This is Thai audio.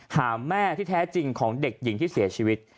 หาแม่ที่แท้จริงของเด็กหญิงที่เสียชีวิต